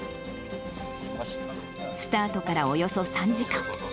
スタートからおよそ３時間。